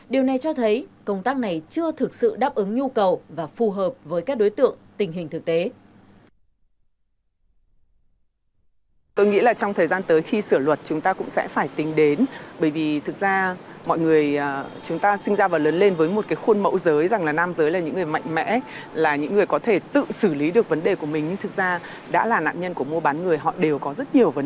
điều này cho thấy công tác này chưa thực sự đáp ứng nhu cầu và phù hợp với các đối tượng tình hình thực tế